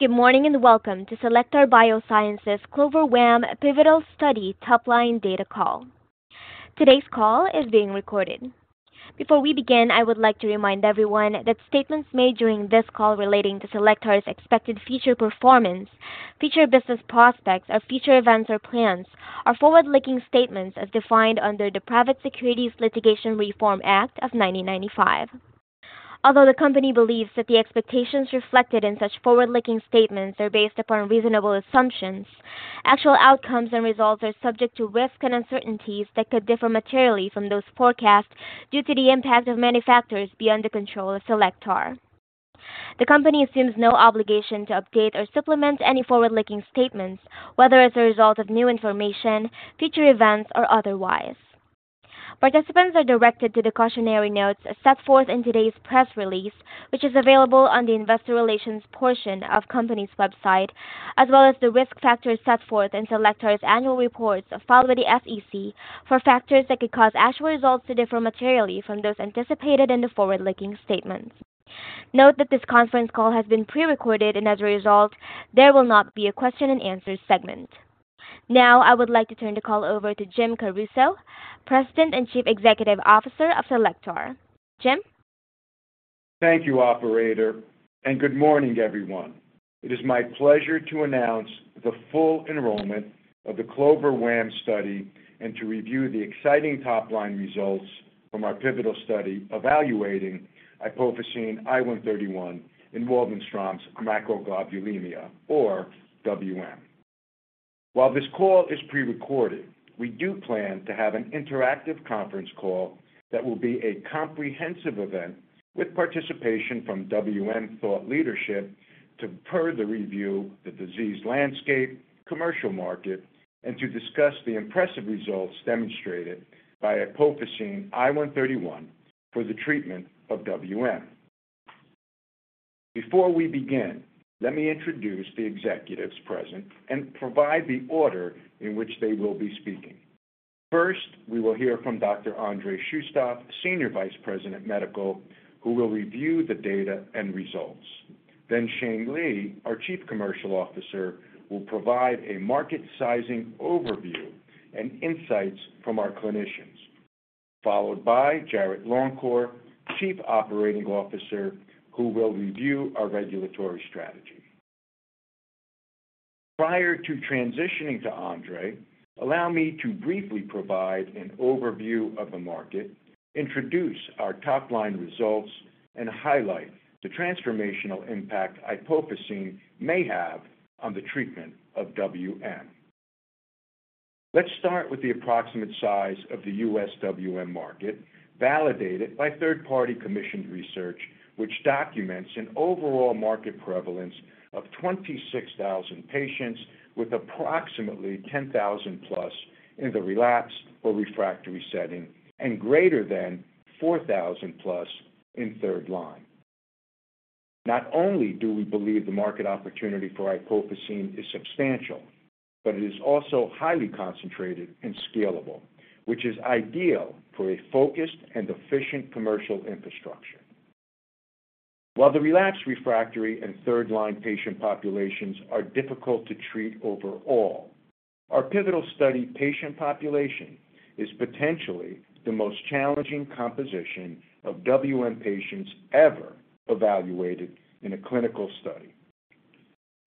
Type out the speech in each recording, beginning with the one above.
Good morning, and welcome to Cellectar Biosciences CLOVER-WaM pivotal study top line data call. Today's call is being recorded. Before we begin, I would like to remind everyone that statements made during this call relating to Cellectar's expected future performance, future business prospects, or future events or plans are forward-looking statements as defined under the Private Securities Litigation Reform Act of 1995. Although the company believes that the expectations reflected in such forward-looking statements are based upon reasonable assumptions, actual outcomes and results are subject to risks and uncertainties that could differ materially from those forecasts due to the impact of many factors beyond the control of Cellectar. The company assumes no obligation to update or supplement any forward-looking statements, whether as a result of new information, future events, or otherwise. Participants are directed to the cautionary notes set forth in today's press release, which is available on the investor relations portion of company's website, as well as the risk factors set forth in Cellectar's annual reports filed with the SEC for factors that could cause actual results to differ materially from those anticipated in the forward-looking statements. Note that this conference call has been pre-recorded and as a result, there will not be a question and answer segment. Now, I would like to turn the call over to Jim Caruso, President and Chief Executive Officer of Cellectar. Jim? Thank you, operator, and good morning, everyone. It is my pleasure to announce the full enrollment of the CLOVER-WaM study and to review the exciting top-line results from our pivotal study evaluating iopofosine I 131 in Waldenstrom's macroglobulinemia, or WM. While this call is pre-recorded, we do plan to have an interactive conference call that will be a comprehensive event with participation from WM thought leadership to further review the disease landscape, commercial market, and to discuss the impressive results demonstrated by iopofosine I 131 for the treatment of WM. Before we begin, let me introduce the executives present and provide the order in which they will be speaking. First, we will hear from Dr. Andrei Shustov, Senior Vice President, Medical, who will review the data and results. Then Shane Lea, our Chief Commercial Officer, will provide a market sizing overview and insights from our clinicians, followed by Jarrod Longcor, Chief Operating Officer, who will review our regulatory strategy. Prior to transitioning to Andrei Shustov, allow me to briefly provide an overview of the market, introduce our top-line results, and highlight the transformational impact iopofosine I 131 may have on the treatment of WM. Let's start with the approximate size of the U.S. WM market, validated by third-party commissioned research, which documents an overall market prevalence of 26,000 patients with approximately 10,000+ in the relapsed or refractory setting, and greater than 4,000+ in third line. Not only do we believe the market opportunity for iopofosine I 131 is substantial, but it is also highly concentrated and scalable, which is ideal for a focused and efficient commercial infrastructure. While the relapsed, refractory, and third-line patient populations are difficult to treat overall, our pivotal study patient population is potentially the most challenging composition of WM patients ever evaluated in a clinical study.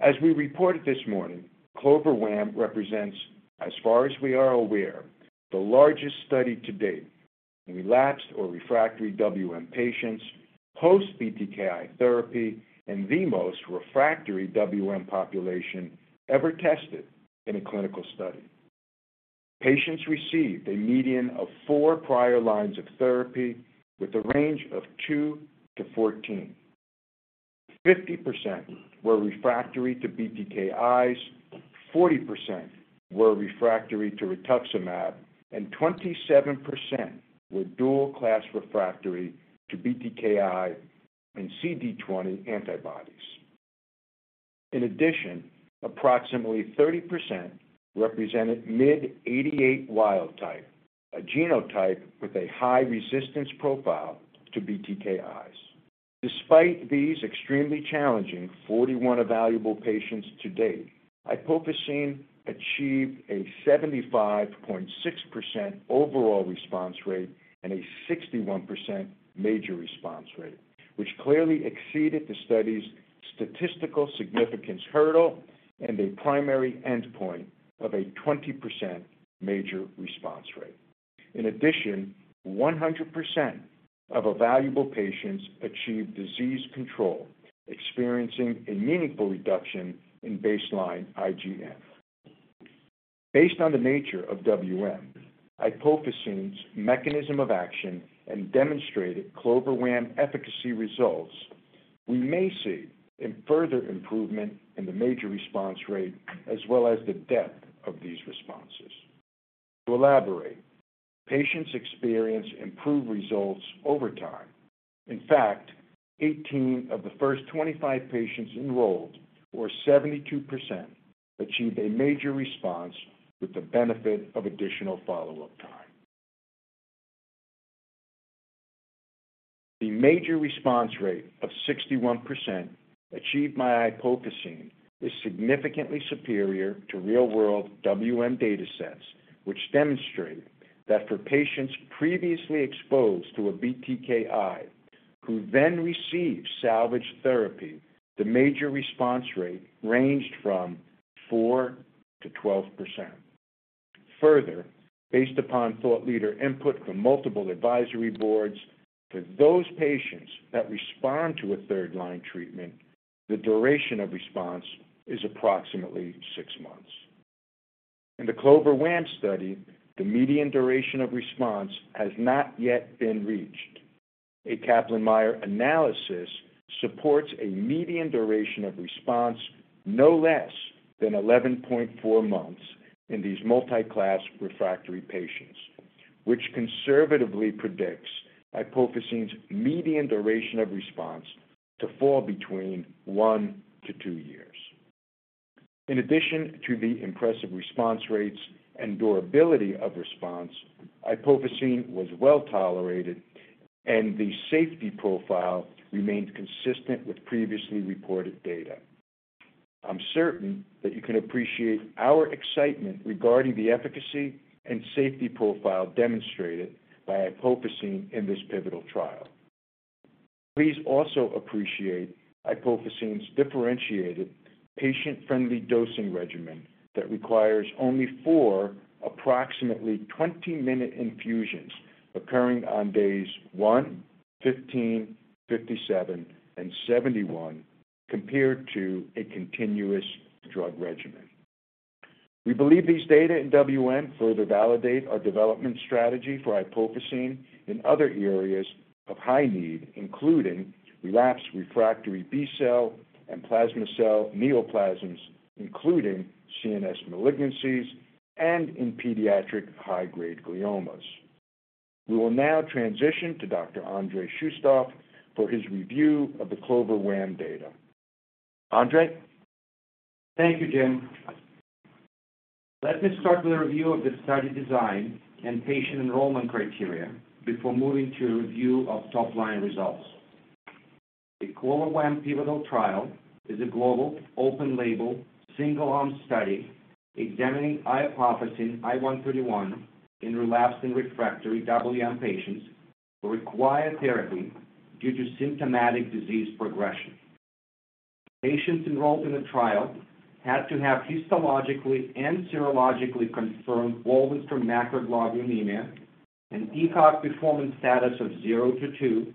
As we reported this morning, CLOVER-WaM represents, as far as we are aware, the largest study to date in relapsed or refractory WM patients, post-BTKI therapy, and the most refractory WM population ever tested in a clinical study. Patients received a median of 4 prior lines of therapy with a range of 2-14. 50% were refractory to BTKIs, 40% were refractory to rituximab, and 27% were dual-class refractory to BTKI and CD20 antibodies. In addition, approximately 30% represented MYD88 wild type, a genotype with a high resistance profile to BTKIs. Despite these extremely challenging 41 evaluable patients to date, iopofosine I 131 achieved a 75.6% overall response rate and a 61% major response rate, which clearly exceeded the study's statistical significance hurdle and a primary endpoint of a 20% major response rate. In addition, 100% of evaluable patients achieved disease control, experiencing a meaningful reduction in baseline IgM. Based on the nature of WM, iopofosine I 131's mechanism of action and demonstrated CLOVER-WaM efficacy results, we may see a further improvement in the major response rate, as well as the depth of these responses. To elaborate, patients experience improved results over time. In fact, 18 of the first 25 patients enrolled, or 72%, achieved a major response with the benefit of additional follow-up time. The major response rate of 61% achieved by iopofosine I 131 is significantly superior to real-world WM datasets, which demonstrate that for patients previously exposed to a BTKI who then receive salvage therapy, the major response rate ranged from 4%-12%. Further, based upon thought leader input from multiple advisory boards, for those patients that respond to a third-line treatment, the duration of response is approximately six months. In the CLOVER-WaM study, the median duration of response has not yet been reached. A Kaplan-Meier analysis supports a median duration of response no less than 11.4 months in these multi-class refractory patients, which conservatively predicts iopofosine I 131's median duration of response to fall between 1-2 years. In addition to the impressive response rates and durability of response, iopofosine I 131 was well-tolerated, and the safety profile remained consistent with previously reported data. I'm certain that you can appreciate our excitement regarding the efficacy and safety profile demonstrated by iopofosine I 131 in this pivotal trial. Please also appreciate iopofosine I 131's differentiated patient-friendly dosing regimen that requires only four approximately 20-minute infusions occurring on days one, 15, 57, and 71, compared to a continuous drug regimen. We believe these data in WM further validate our development strategy for iopofosine I 131 in other areas of high need, including relapse refractory B-cell and plasma cell neoplasms, including CNS malignancies and in pediatric high-grade gliomas. We will now transition to Dr. Andrei Shustov for his review of the CLOVER-WaM data. Andrei? Thank you, Jim. Let me start with a review of the study design and patient enrollment criteria before moving to a review of top-line results. The CLOVER-WaM pivotal trial is a global, open label, single-arm study examining iopofosine I 131 in relapsed and refractory WM patients who require therapy due to symptomatic disease progression. Patients enrolled in the trial had to have histologically and serologically confirmed Waldenström Macroglobulinemia, an ECOG Performance Status of 0-2,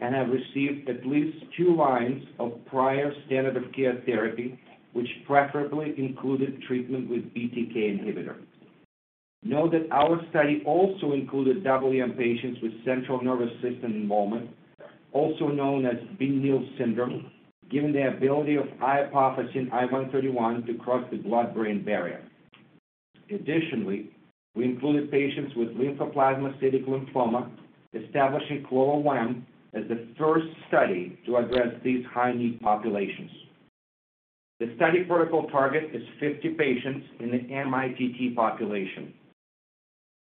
and have received at least two lines of prior standard of care therapy, which preferably included treatment with BTK inhibitor. Note that our study also included WM patients with central nervous system involvement, also known as Bing-Neel syndrome, given the ability of iopofosine I 131 to cross the blood-brain barrier. Additionally, we included patients with lymphoplasmacytic lymphoma, establishing CLOVER-WaM as the first study to address these high-need populations. The study protocol target is 50 patients in the MITT population.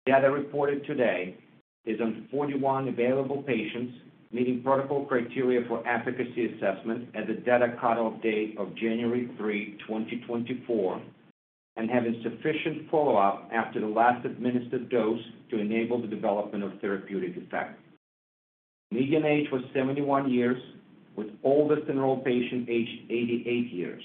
Data reported today is on 41 available patients, meeting protocol criteria for efficacy assessment at the data cut-off date of January 3, 2024, and having sufficient follow-up after the last administered dose to enable the development of therapeutic effect. Median age was 71 years, with oldest enrolled patient aged 88 years.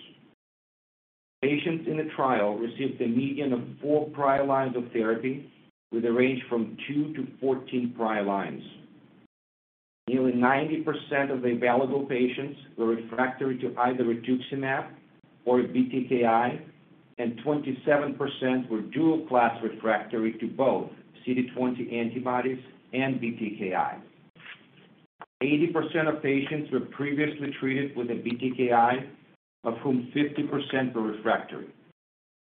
Patients in the trial received a median of 4 prior lines of therapy, with a range from 2-14 prior lines. Nearly 90% of available patients were refractory to either rituximab or a BTKI, and 27% were dual-class refractory to both CD20 antibodies and BTKI. 80% of patients were previously treated with a BTKI, of whom 50% were refractory.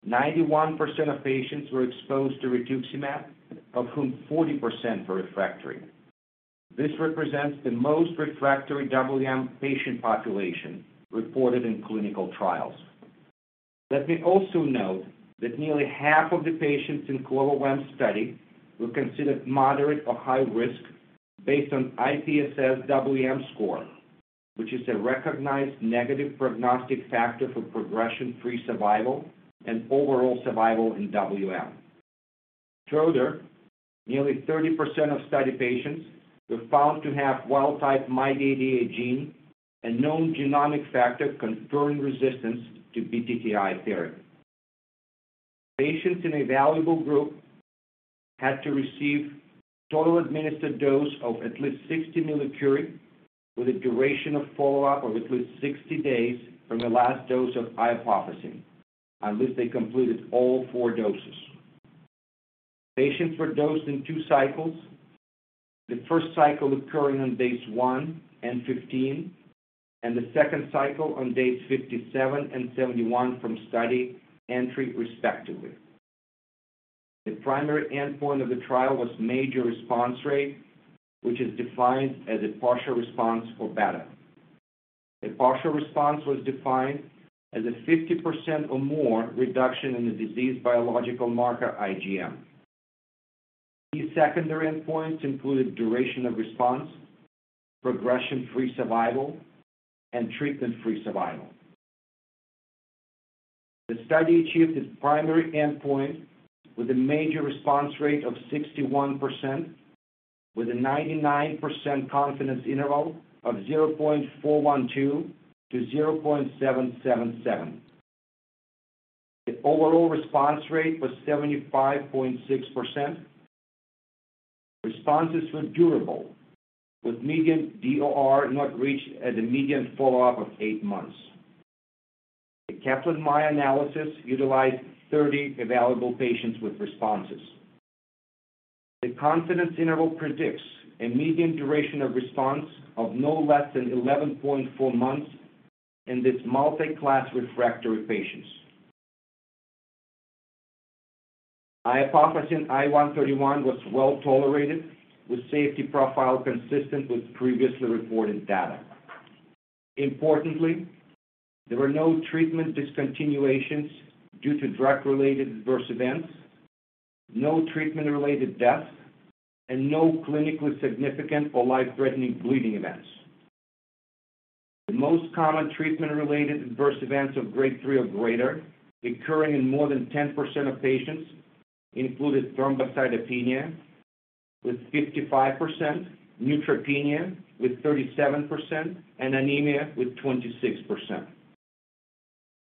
91% of patients were exposed to rituximab, of whom 40% were refractory. This represents the most refractory WM patient population reported in clinical trials. Let me also note that nearly half of the patients in CLOVER-WaM study were considered moderate or high risk based on IPSSWM score, which is a recognized negative prognostic factor for progression-free survival and overall survival in WM. Further, nearly 30% of study patients were found to have wild-type MYD88 gene, a known genomic factor conferring resistance to BTKI therapy. Patients in an evaluable group had to receive total administered dose of at least 60 millicurie, with a duration of follow-up of at least 60 days from the last dose of iopofosine I 131, unless they completed all four doses. Patients were dosed in two cycles, the first cycle occurring on days one and 15, and the second cycle on days 57 and 71 from study entry, respectively. The primary endpoint of the trial was major response rate, which is defined as a partial response or better. A partial response was defined as a 50% or more reduction in the disease biological marker IgM. These secondary endpoints included duration of response, progression-free survival, and treatment-free survival. The study achieved its primary endpoint with a major response rate of 61%, with a 99% confidence interval of 0.412-0.777. The overall response rate was 75.6%. Responses were durable, with median DOR not reached at a median follow-up of eight months. The Kaplan-Meier analysis utilized 30 available patients with responses. The confidence interval predicts a median duration of response of no less than 11.4 months in this multi-class refractory patients. Iopofosine I 131 was well-tolerated, with safety profile consistent with previously reported data. Importantly, there were no treatment discontinuations due to drug-related adverse events, no treatment-related deaths, and no clinically significant or life-threatening bleeding events. The most common treatment-related adverse events of Grade 3 or greater, occurring in more than 10% of patients, included thrombocytopenia with 55%, neutropenia with 37%, and anemia with 26%.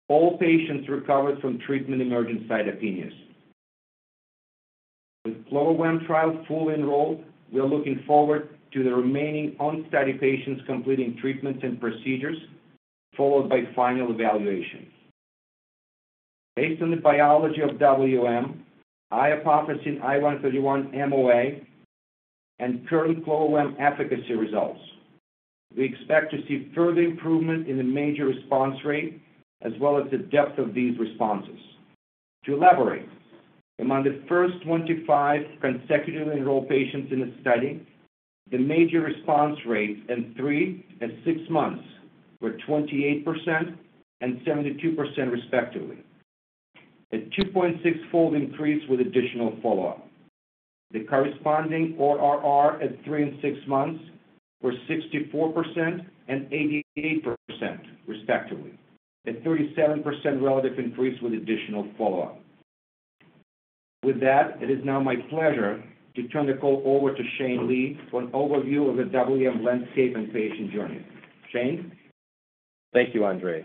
All patients recovered from treatment-emergent cytopenias. With CLOVER-WaM trial fully enrolled, we are looking forward to the remaining on-study patients completing treatments and procedures, followed by final evaluation. Based on the biology of WM, iopofosine I 131 MOA, and current CLOVER-WaM efficacy results, we expect to see further improvement in the major response rate, as well as the depth of these responses. To elaborate, among the first 25 consecutively enrolled patients in the study, the major response rate at three and six months were 28% and 72%, respectively, a 2.6-fold increase with additional follow-up. The corresponding ORR at three and six months were 64% and 88%, respectively, a 37% relative increase with additional follow-up. With that, it is now my pleasure to turn the call over to Shane Lea for an overview of the WM landscape and patient journey. Shane? Thank you, Andrei.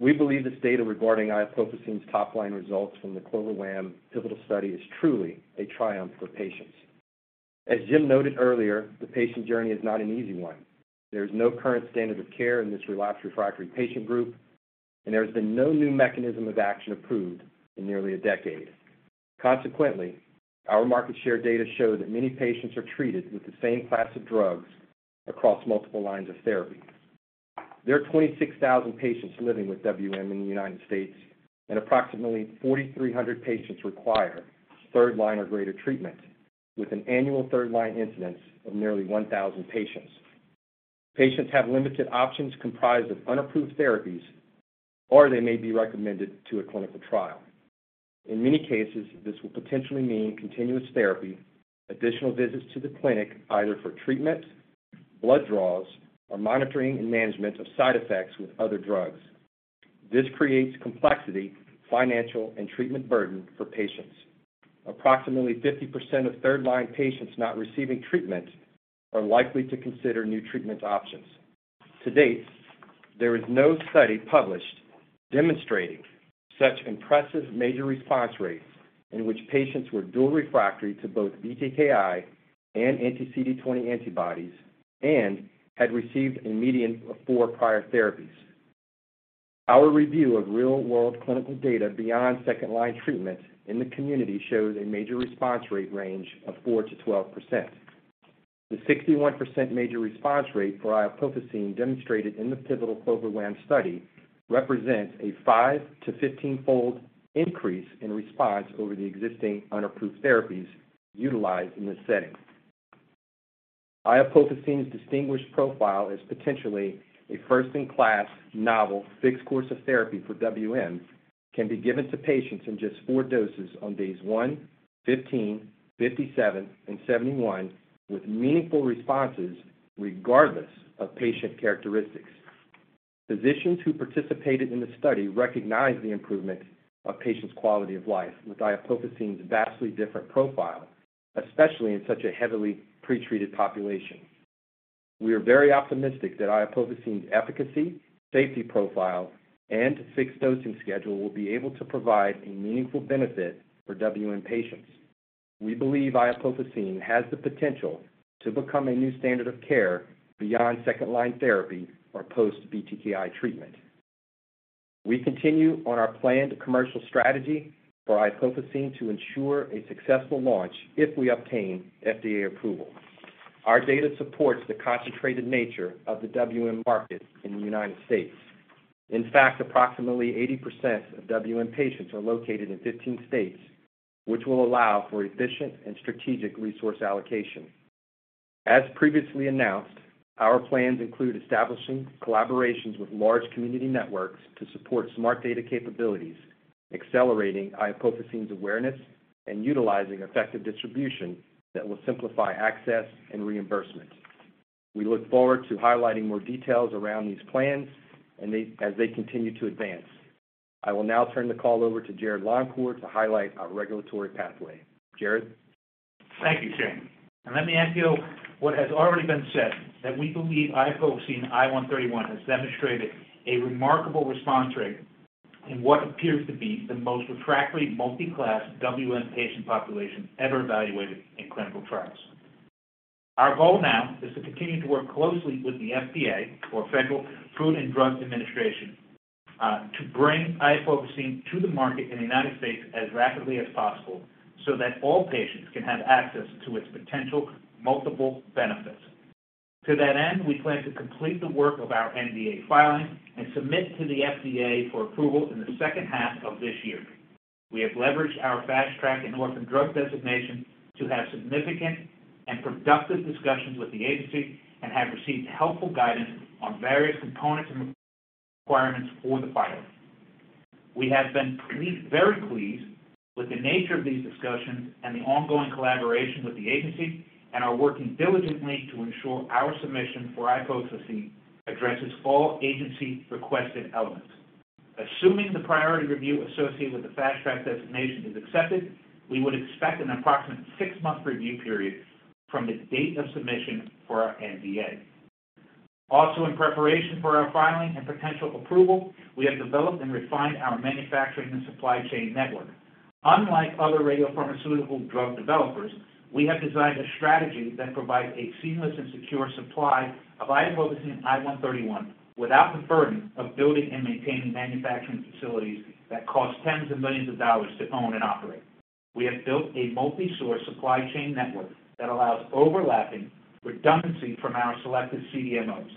We believe this data regarding iopofosine I 131's top-line results from the CLOVER-WaM pivotal study is truly a triumph for patients. As Jim noted earlier, the patient journey is not an easy one. There's no current standard of care in this relapsed refractory patient group, and there has been no new mechanism of action approved in nearly a decade. Consequently, our market share data show that many patients are treated with the same class of drugs across multiple lines of therapy. There are 26,000 patients living with WM in the United States, and approximately 4,300 patients require third-line or greater treatment, with an annual third-line incidence of nearly 1,000 patients. Patients have limited options comprised of unapproved therapies, or they may be recommended to a clinical trial. In many cases, this will potentially mean continuous therapy, additional visits to the clinic, either for treatment, blood draws, or monitoring and management of side effects with other drugs. This creates complexity, financial, and treatment burden for patients. Approximately 50% of third-line patients not receiving treatment are likely to consider new treatment options. To date, there is no study published demonstrating such impressive major response rates in which patients were dual refractory to both BTKI and Anti-CD20 antibodies and had received a median of 4 prior therapies. Our review of real-world clinical data beyond second-line treatment in the community shows a major response rate range of 4%-12%. The 61% major response rate for Iopofosine I 131 demonstrated in the pivotal CLOVER-WaM study represents a 5-fold-15-fold increase in response over the existing unapproved therapies utilized in this setting. 131's distinguished profile is potentially a first-in-class, novel, fixed course of therapy for WM, can be given to patients in just four doses on days one, 15, 57, and 71, with meaningful responses regardless of patient characteristics. Physicians who participated in the study recognized the improvement of patients' quality of life with iopofosine I 131's vastly different profile, especially in such a heavily pretreated population. We are very optimistic that iopofosine I 131's efficacy, safety profile, and fixed dosing schedule will be able to provide a meaningful benefit for WM patients. We believe iopofosine I 131 has the potential to become a new standard of care beyond second-line therapy or post-BTKI treatment. We continue on our planned commercial strategy for iopofosine I 131 to ensure a successful launch if we obtain FDA approval. Our data supports the concentrated nature of the WM market in the United States. In fact, approximately 80% of WM patients are located in 15 states, which will allow for efficient and strategic resource allocation. As previously announced, our plans include establishing collaborations with large community networks to support smart data capabilities, accelerating iopofosine I 131's awareness, and utilizing effective distribution that will simplify access and reimbursement. We look forward to highlighting more details around these plans and they, as they continue to advance. I will now turn the call over to Jarrod Longcor to highlight our regulatory pathway. Jarrod? Thank you, Shane. Let me echo what has already been said, that we believe iopofosine I 131 has demonstrated a remarkable response rate in what appears to be the most refractory multi-class WM patient population ever evaluated in clinical trials. Our goal now is to continue to work closely with the FDA, or US Food and Drug Administration, to bring iopofosine to the market in the United States as rapidly as possible, so that all patients can have access to its potential multiple benefits. To that end, we plan to complete the work of our NDA filing and submit to the FDA for approval in the second half of this year. We have leveraged our Fast Track and Orphan Drug Designation to have significant and productive discussions with the agency and have received helpful guidance on various components and requirements for the filing. We have been pleased, very pleased with the nature of these discussions and the ongoing collaboration with the agency and are working diligently to ensure our submission for iopofosine I 131 addresses all agency-requested elements. Assuming the priority review associated with the Fast Track designation is accepted, we would expect an approximate six-month review period from the date of submission for our NDA. Also, in preparation for our filing and potential approval, we have developed and refined our manufacturing and supply chain network. Unlike other radiopharmaceutical drug developers, we have designed a strategy that provides a seamless and secure supply of iopofosine I 131 without the burden of building and maintaining manufacturing facilities that cost $10 millions to own and operate. We have built a multi-source supply chain network that allows overlapping redundancy from our selected CDMOs.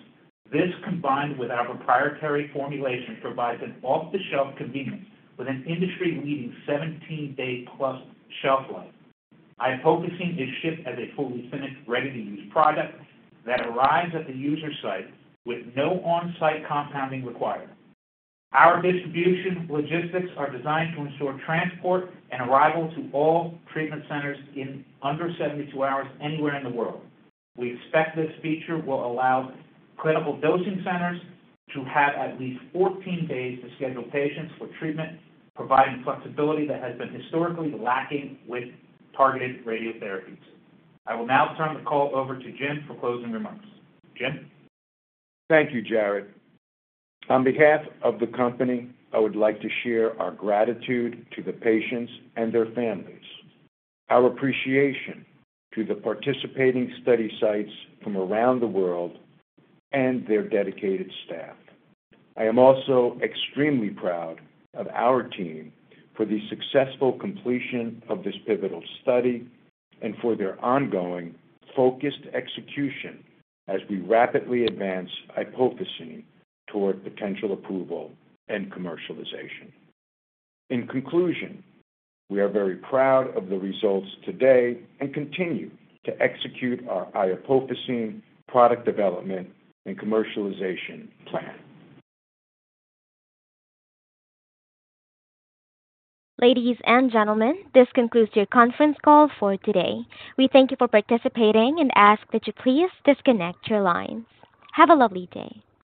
This, combined with our proprietary formulation, provides an off-the-shelf convenience with an industry-leading 17+ day shelf life. Iopofosine I 131 is shipped as a fully finished, ready-to-use product that arrives at the user site with no on-site compounding required. Our distribution logistics are designed to ensure transport and arrival to all treatment centers in under 72 hours, anywhere in the world. We expect this feature will allow clinical dosing centers to have at least 14 days to schedule patients for treatment, providing flexibility that has been historically lacking with targeted radiotherapies. I will now turn the call over to Jim for closing remarks. Jim? Thank you, Jarrod. On behalf of the company, I would like to share our gratitude to the patients and their families, our appreciation to the participating study sites from around the world, and their dedicated staff. I am also extremely proud of our team for the successful completion of this pivotal study and for their ongoing focused execution as we rapidly advance iopofosine I 131 toward potential approval and commercialization. In conclusion, we are very proud of the results today and continue to execute our iopofosine I 131 product development and commercialization plan. Ladies and gentlemen, this concludes your conference call for today. We thank you for participating and ask that you please disconnect your lines. Have a lovely day.